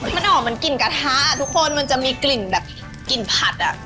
มันออกเหมือนกลิ่นกระทะทุกคนมันจะมีกลิ่นแบบกลิ่นผัดอ่ะ